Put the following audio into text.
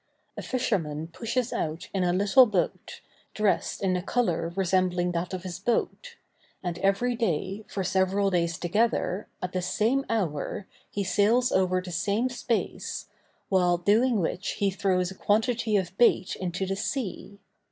A fisherman pushes out in a little boat, dressed in a color resembling that of his boat; and every day, for several days together, at the same hour, he sails over the same space, while doing which he throws a quantity of bait into the sea.